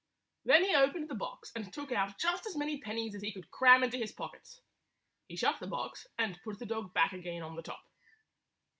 Then he opened the box and took out just as many pennies as he could cram into his pockets. He shut the box, and put the dog back again on the top.